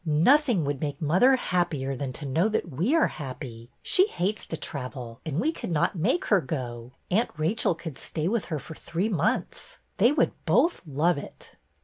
" Nothing would make mother happier than to know that we are happy. She hates to travel, and we could not make her go. Aunt Rachel could stay with her for three months. They would both love it."